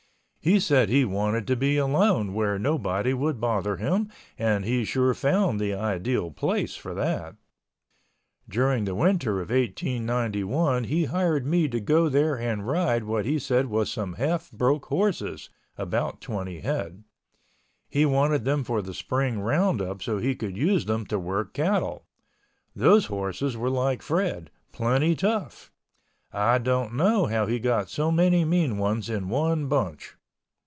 He said he wanted to be alone where nobody would bother him and he sure found the ideal place for that. During the winter of 1891 he hired me to go there and ride what he said was some half broke horses—about twenty head. He wanted them for the Spring roundup so he could use them to work cattle. Those horses were like Fred—plenty tough. I don't know how he got so many mean ones in one bunch.